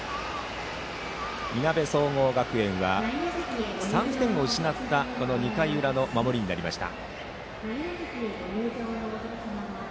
いなべ総合学園は、３点を失ったこの２回裏の守りになりました。